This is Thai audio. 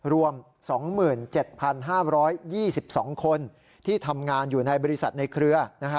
รวม๒๗๕๒๒คนที่ทำงานอยู่ในบริษัทในเครือ